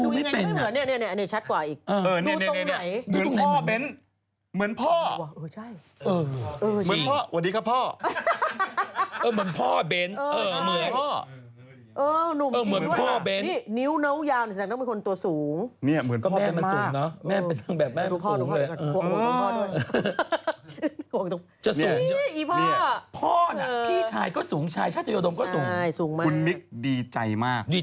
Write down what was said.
ไม่เหมือนดูยังไงไม่เหมือนเนี่ยอันนี้ชัดกว่าอีก